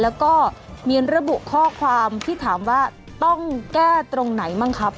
แล้วก็มีระบุข้อความที่ถามว่าต้องแก้ตรงไหนบ้างครับ